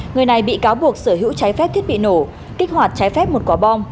người này bị cáo buộc sở hữu trái phép thiết bị nổ kích hoạt trái phép một quả bom